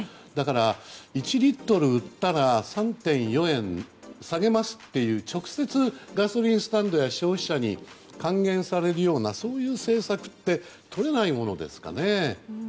だから、１リットル売ったら３．４円下げますという直接、ガソリンスタンドや消費者に還元されるようなそういう政策ってとれないものですかね。